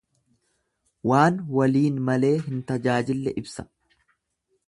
Waan waliin malee hin tajaajille ibsa.